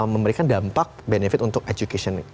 memberikan dampak benefit untuk education